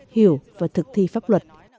hiểu và thực thi pháp luật